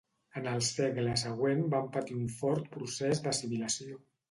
En el segle següent van patir un fort procés d'assimilació.